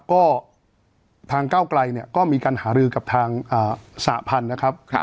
ก็ทางก้าวไกลเนี่ยก็มีการหารือกับทางสหพันธ์นะครับ